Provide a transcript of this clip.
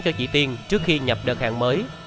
cho chị tiên trước khi nhập đợt hàng mới